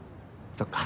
そっか。